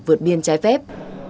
vượt biên trái phép